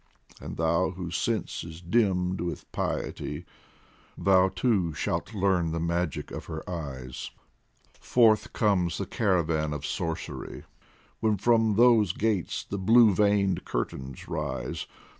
And thou whose sense is dimmed with piety, Thou too shalt learn the magic of her eyes ; Forth comes the caravan of sorcery When from those gates the blue veined curtains rise.